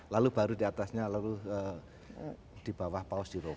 lalu baru diatasnya lalu di bawah paus di rokok